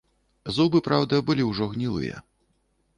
Зубы, праўда, былі ўжо гнілыя.